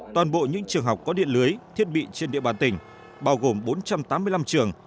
toàn bộ những trường học có điện lưới thiết bị trên địa bàn tỉnh